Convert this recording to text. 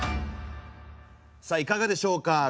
さあいかがでしょうか。